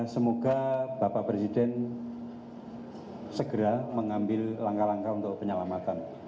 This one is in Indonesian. semoga bapak presiden segera mengambil langkah langkah untuk penyelamatan